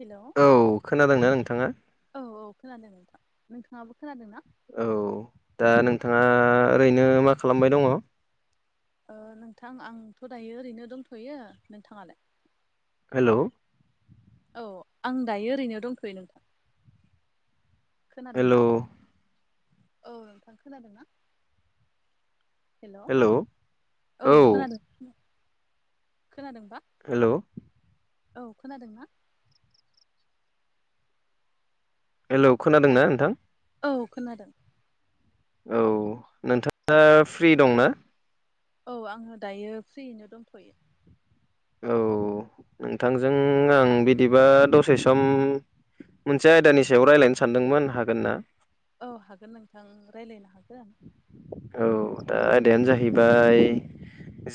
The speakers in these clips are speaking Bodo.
हेल' औ खोनादोंना नोंथाङा? औ औ खोनादों नोंथां। नोंथाङाबो खोनादों ना? औ दा नोंथाङा ओरैनो मा खालामबाय दङ? ओ नोंथां आंथ' दायो ओरैनो दंथ'यो नोंथाङालाय? हेल' औ आं दायो ओरैनो दंथ'यो नोंथां। खोनादों ना हेलौ औ नोंथां खोनादों ना? हेल' हेलौ औ औ खोनादों ओ खोनादोंबा? हेल' औ खोनादों ना? हेलौ खोनादोंना नोंथां? औ खोनादों। औ नोंथाङा फ्रि दंना? औ आङो दायो फ्रियैनो दंथ'यो। औ नोंथांजों आं बिदिबा दसे सम मोनसे आयदानि सायाव रायलायनो सानदोंमोन हागोन ना? औ हागोन नोंथां रायलायनो हागोन। औ दा आयदायानो जाहैबाय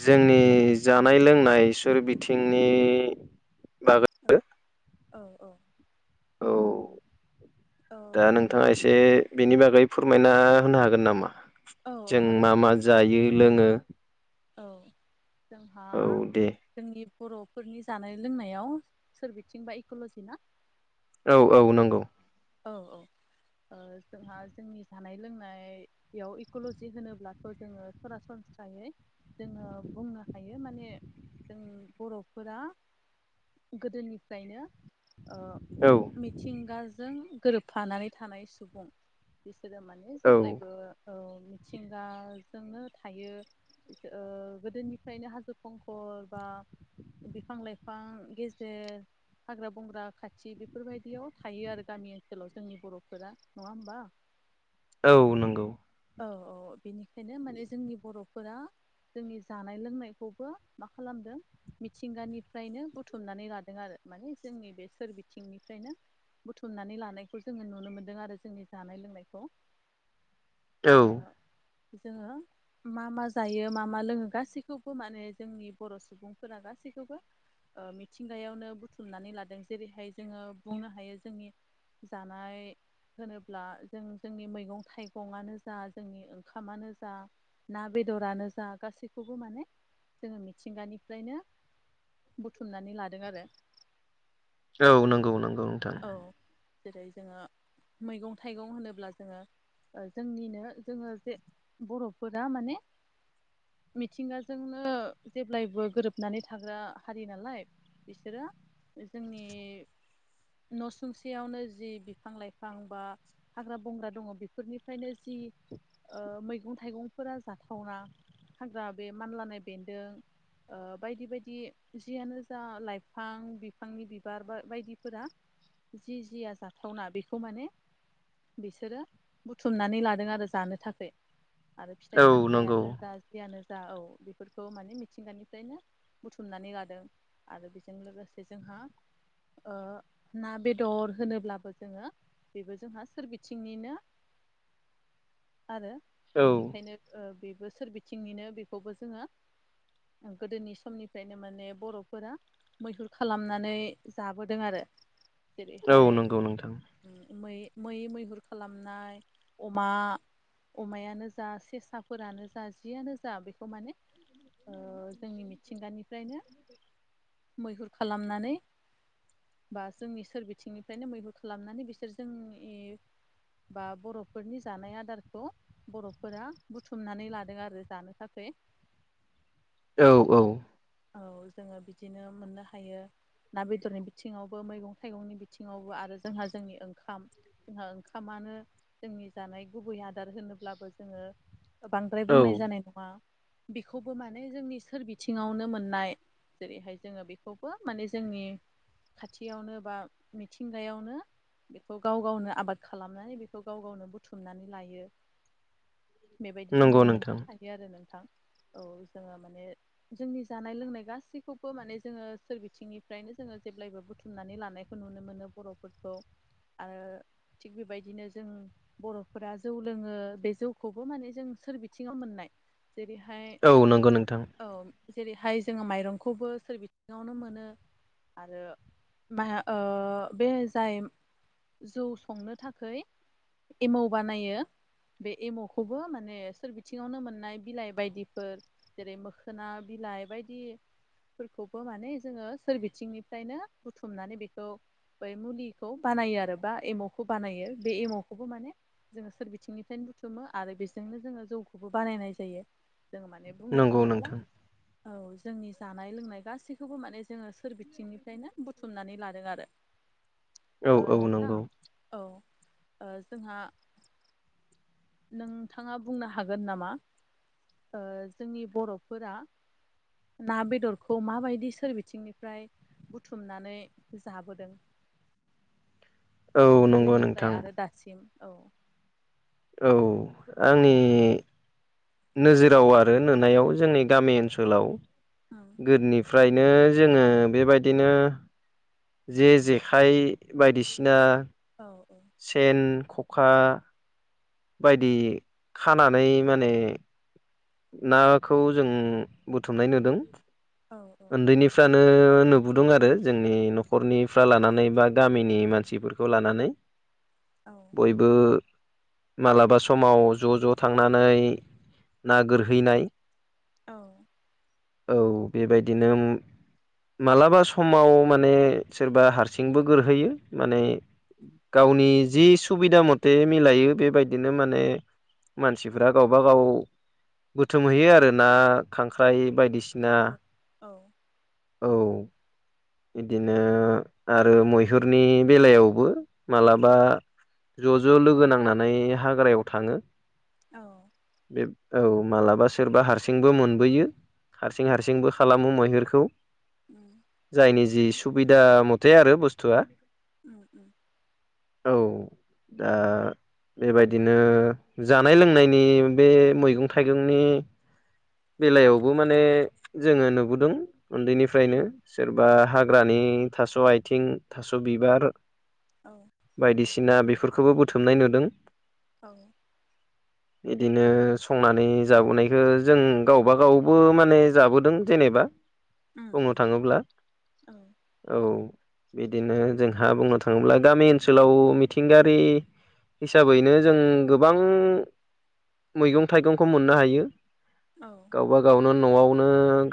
जोंनि जानाय लोंनाय सुर बिथिंनि बागै औ औ औ औ उम औ दा नोंथाङा एसे बेनि बागै फोरमायना होनो हागोन नामा? औ जों हागोन मा मा नोंथां जायो लोङो? औ जोंहा औ दे जोंनि बर'फोरनि जानाय लोंनायाव सोरबिथिंबा इक'ल'जि ना? औ औ नंगौ। औ औ ओ जोंहा जोंनि जानाय लोंनाय बेयाव इक'ल'जि होनोब्लाथ' जोङो सरासनस्रायै जोङो बुंनो हायो माने जों बर'फोरा गोदोनिफ्रायनो ओ औ। मिथिंगाजों गोरोबफानानै थानाय सुबुं बिसोरो माने औ जेब्लायबो औ मिथिंगाजोंनो थायो। ओ-गोदोनिफ्रायनो हाजो खंखर बा बिफां लाइफां गेजेर हाग्रा बंग्रा खाथि बेफोरबायदियाव थायो आरो। गामि ओनसोलाव जोंनि बर'फोरा नङा होमबा? औ नंगौ। औ औ बेनिखायनो माने जोंनि बर'फोरा जोंनि जानाय लोंनायखौबो मा खालामदों? मिथिंगानिफ्रायनो बुथुमनानै लादों आरो माने जोंनि बे सोर बिथिंनिफ्रायनो बुथुमनानै लानायखौ जोङो नुनो मोन्दों आरो जोंनि जानाय लोंनायखौ औ ओ जोङो मा मा जायो मा मा लोङो गासैखौबो माने जोंनि बर' सुबुंफोरा गासैखौबो ओ मिथिंगायावनो बुथुमनानै लादों जेरैहाय जोङो बुंनो हायोज जोंनि जानाय होनोब्ला जों जोंनि मैगं थाइगंआनो जा जोंनि ओंखामानो जा ना बेदरानो जा गासैखौबो माने जोङो मिथिंगानिफ्रायनो बुथुमनानै लादों आरो। औ नंगौ नंगौ। नोंथां औ जेरै जोङो मैगं थाइगं होनोब्ला जोङो ओ जोंनिनो जोङो जे बर'फोरा माने मिथिंगाजोंनो जेब्लायबो गोरोबनानै थाग्रा हारि नालाय बिसोरो जोंनि न' सुंसेयावनो जि बिफां लाइफां बा हाग्रा बंग्रा दङ बेफोरनिफ्रायनो जि ओ-मैगं थाइगंफोरा जाथावना। हाग्रा बे मानलानाय बेन्दों। ओ बायदि बायदि जियानो जा लाइफां बिफांनि बिबार बा- बायदिफोरा जि जिया जाथावना बेखौ माने बिसोरो बुथुमनानै लादों आरो जानो थाखै। आरो फिथाइ औ नंगौ सामथायाइानो जा जियानो जा औ बेफोरखौ माने मिथिंगानिफ्रायनो बुथुमनानै लाादों आरो बेजों लोगोसे जोंहा ओ- ना बेदर होनोब्लाबो जोङो बेबो जोंहा सोरबिथिंनिनो आरो औ बेनिखायनो ओ-बेबो सोर बिथिंनिनो बेखौबो जोङो गोदोनि समनिफ्रायनो माने बर'फोरा मैहुर खालामनानै जाबोदों आरो। औ जेरैहाय नंगौ नोंथां मै मै मैहुर खालामनाय अमा अमायानो जा सेसाफोरानो जा जियानो जा बेखौ माने ओ‌- जोंनि मिथिंगानिफ्रायनो मैहुर खालामनानै बा जोंनि सोर बिथिंनिफ्रायनो मैहुर खालामनानै बिसोर जोंनि बा बर'फोरनि जानाय आदारखौ बर'फोरा बुथुमनानै लादों आरो जानो थाखै। औ औ। औ जोङो बिदिनो मोननो हायो ना बेदरनि बिथिङाव। बो मैगं थाइगंनि बिथिङावबो आरो जोंहा जोंनि ओंखाम। जोंहा ओंखामानो जोंनि जानाय गुबै आदार होनोब्लाबो जोङो बांद्राय औ बुंनाय जानाय नङा बेखौबो माने जोंनि सोर बिथिङावनो मोननाय जेरैहाय जोङो बेखौबो माने जोंनि खाथियावनो बा मिथिंगायावनो बेखौ गाव गावनो आबाद खालामनानै बेखौ गाव गावनो बुथुमनानै लायो। बेबायदि नंगौ जोङो नोंथां मोननो हायो आरो नोंथां औ जोङो माने जोंनि जानाय लोंनाय गासैखौबो माने जोङो सोर बिथिंनिफ्रायनो जोङो जेब्लायबो बुथुमनानै लानायखौ नुनो मोनो बर'फोरखौ आरो थिग बेबायदिनो जों बर'फोरा जौ लोङो बे जौखौबो माने जों सोर बिथिङाव मोननाय जेरैहाय औ नंगौ नोंथां औ जेरैहाय जोङो माइरंखौबो सोर बिथिङावनो मोनो आरो मा ओ बे जाय जौ संनो थाखाय एमौ बानायो बे एम'खौबो माने सोर बिथिङावनो मोननाय बिलाइ बायदिफोर जेरै मोखोना बिलाइ बायदि फोरखौबो माने जोङो सोरबिथिंनिफ्रायनो बुथुमनानै बेखौ बै मुलिखौ बानायो आरो बा एमावखौ बानायो बे एमावखौबो माने जोङो सोर बिथिंनिफ्रायनो बुथुमो आरो बेजोंनो जोङो जौखौबो बानायनाय जायो जोङो माने बुंनो नंगौ थाङोब्ला नोंथां औ जोंनि जानाय लोंनाय गासैखौबो माने जोङो सोर बिथिंनिफ्रायनो बुथुमनानै लादों आरो औ ओ- औ नोंथां। नंगौ औ ओ-जोंहा नोंथाङा बुंनो हागोन नामा ओ-जोंनि बर'फोरा ना बेदरखौ माबायदि सोर बिथिंनिफ्राय बुथुमनानै जाबोदों औ नंगौ गोदोनिफ्राय नोंथां आरो दासिम औ। औ आंनि नोजोराव आरो नुनायाव जोंनि गामि ओनसोलाव औ गोदोनिफ्रायनो जोङो बेबायदिनो जे जेखाइ बायदिसिना औ औ सेन ख'खा बायदि खानानै माने नाखौ जों बुथुमनाय नुदों। औ औ उन्दैनिफ्रानो नुबोदों आरो जोंनि न'खरनिफ्रा लानानै बा गामिनि मानसि खौ लानानै औ बयबो मालाबा समाव ज' ज' थांनानै ना गोरहैनाय औ औ बेबायदिनो ओम। मालाबा समाव माने सोरबा हारसिंबो गोरहैयो माने गावनि जि सुबिदा मथे मिलायो बेबायदिनो माने मानसिफ्रा गावब गाव बथोमहैयो आरो ना खांख्राइ बायदिसिना औ औ औ। नंगौ बिदिनो आरो मैहुरनि बेलायावबो मालाबा ज' ज' लोगो नांनानै हाग्रायाव थाङो औ बे औ माब्लाबा सोरबा हारसिंबो मोनबोयो हारसिं हारसिंबो खालामो मैहुरखौ ओं जायनि जि सुबिदा मथे आरो बुस्थुआ उम उम औ दा बेबायदिनो जानाय लोंनायनि बे मैगं थाइगंनि बेलायावबो माने जोङो नुबोदों उन्दैनिफ्रायनो सोर बा हाग्रानि थास' आथिं थास' बिबार औ बायदिसिना बेफोरखौबो बुथुमनाय नुदों औ बिदिनो संनानै जाबोनायखौ जों गावबाागावबो माने जाबोदों जेनेबा उम बुंनो उम थाङोब्ला औ औ बिदिनो जोंहा बुंनो थाङोब्ला गामि ओनसोलाव मिथिंगायारि हिसाबैनो जों गोबां मैगं थाइगंखौ मोननो हायो औ गावबा गावनो न'आवनो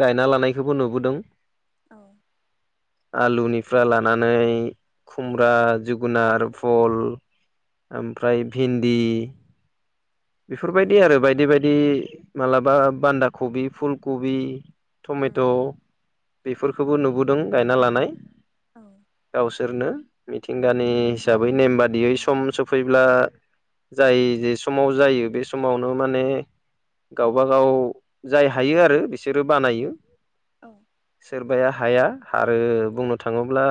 गायना लानायखौबो नुबोदों औ आलुनिफ्राय लानानै खुमब्रा जो गुनार फल ओमफ्राय भिन्दि औ बेफोरबायदि आरो बायदि बायदि मालाबा बान्दा कबि फुल कबि टमेट' उम बेफोरखौबो नुबोदों गायना लानाय औ गावसोरनो मिथिंगानि हिसाबै नेम बादियै सम सफैब्ला जाय जे समाव जायो बे समावनो माने गावबाागाव जाय हायो आरो बिसोरो बानायो औ सोरबाया हाया आरो बुंनो थाङोब्ला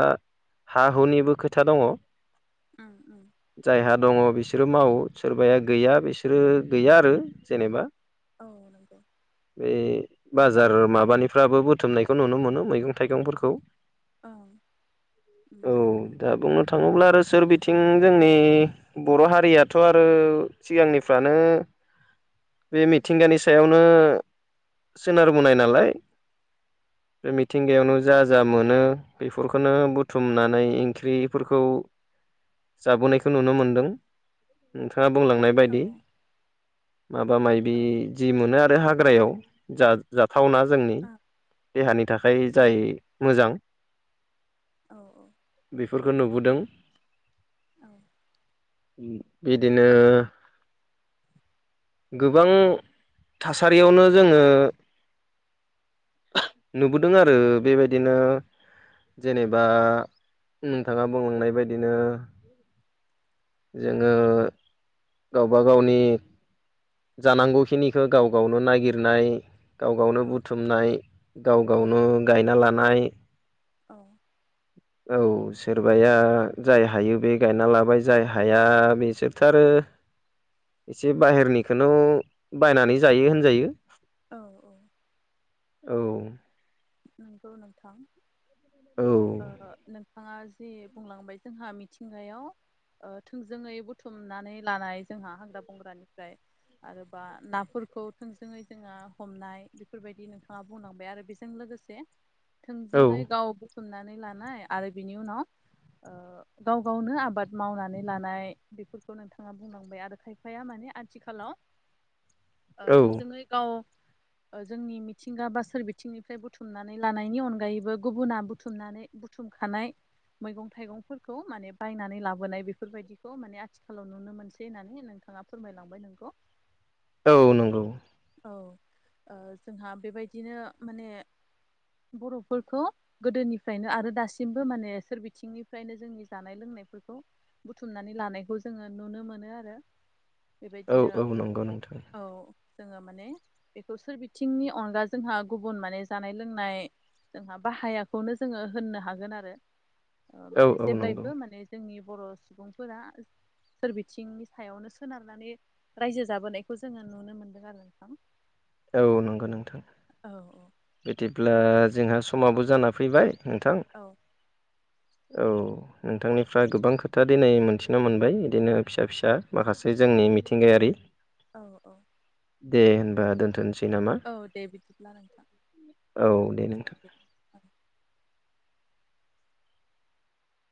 हा हुनिबो खोथा दङ ओम ओम जायहा दङ बिसोरो मावो सोरबाया गैया बिसोरो गैया आरो जेनेबा औ नंगौ बे बाजार माबानिफ्राबो बुथुमनायखौ नुनो मोनो मैगं थाइगंफोरखौ औ उम औ दा बुंनो थाङोब्ला आरो सोर बिथिं जोंनि बर' हारियाथ' आरो सिगांनिफ्राय फ्रानो बे मिथिंगानि सायावनो सोनारबोननाय नालाय बे मिथिंगायावनो औ जा जा मोनो बेफोरखौनो बुथुमनानै ओंख्रिफोरखौ जाबोनायखौ नुनो मोनदों नोंथाङा बुंलांनाय औ बायदि माबा माबि औ ओं जि मोनो आरो हाग्रायाव जा जाथावना जोंनि देहानि थाखाय जाय उम मोजां औ औ बेफोरखौ नुबोदों औ बिदिनो गोबां थासारियावनो जोङो नुबोदों आरो बेबायदिनो जेनेबा नोंथाङा बुंलांनाय बायदिनो जोङो गावबा गावनि जानांगौखिनिखौ गाव गावनो नागिरनाय गाव गावनो औ बुथुमनाय गाव औ गावनो गायना लानाय औ औ सोरबाया जाय हायो बे गायना लाबाय जाय हाया बिसोरथो आरो एसे बाहेरनिखौनो बायनानै जायो होनजायो औ औ औ नोंगौ नोंथां औ ओ नोंथाङा जे बुंलांबाय जोंहा मिथिंगायाव ओ थोंजोङै बुथुमनानै लानाय जोंहा हाग्रा बंग्रानिफ्राय आरोबा नाफोरखौ थोंजोङै जोङो हमनाय बेफोरबायदि नोंथाङा बुंलांबाय आरो बे जों लोगोसे थोंजोङै औ गाव बुथुमनानै लानाय आरो बेनि उनाव ओ गाव गावनो आबाद मावनानै लानाय बेफोरखौ नोंथाङा बुंलांबाय आरो खायफ बिफाया माने आथिखालाव औ थोंजोङै गाव जोंनि मिथिंगा बा सोरबिं आथिंनिफ्राय बुथुमनानै लानायनि अनगायैबो गुबुना बुथुमनानै बुथुमखानाय मैगं थाइगंफोरखौ माने बायनानै लाबोनाय बेफोरबायदिखौ माने आथिखालाव नुनो मोनसै होननानै नोंथाङा फोरमायलांबाय नोंखौ औ नंगौ औ जोंहा ओ बेबायदिनो माने बर'फोरखौ गोदोनिफ्रायनो आरो दासिमबो माने सोर बिथिंनिफ्रायनो जोंनि जानाय लोंनायफो‌रखौ बुथुमनानै लानायखौ जोङो नुनो मोनो आरो औ बेबायदिनो औ नंगौ नोंथां औ जोङो माने बेखौ सोर बिथिंनि अनगा जोंहा गुबुन माने जानाय लोंनाय जोंहा बाहायाखौनो जोङो होननो हागोन आरो औ माने औ नंगौ जेब्लायबो माने जोंनि बर' सुबुंफोरा सोरबिथिंनि सायावनो सोनारनानै रायजो जाबोनायखौ जोङो नुनो मोन्दों आरो नोंथां औ नंगौ नोंथां औ औ। बिदिब्ला बिदि जोंहा समाबो जाना फैबाय नोंथां। औ। औ। नोंथांनिफ्रा गोबां खोथा दिनै मोनथिनो मोनबाय बिदिनो फिसा फिसा माखासे जोंनि मिथिंगायारि। औ औ। दे होनबा दोनथ'नोसै नामा। औ दे बिदिब्ला नोंथां। औ दे नोंथां। [unintelligible]